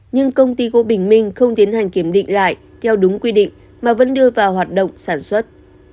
nhưng công ty gỗ bình minh không tiến hành kiểm định lại theo đúng quy định mà vẫn đưa vào hoạt động sản xuất